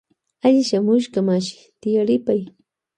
Alli shamushka mashi tiaripay.